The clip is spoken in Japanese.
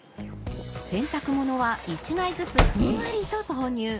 洗濯物は１枚ずつふんわりと投入。